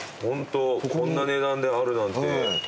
ホントこんな値段であるなんて。